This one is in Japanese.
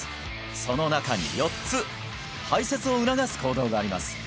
その中に４つ排泄を促す行動があります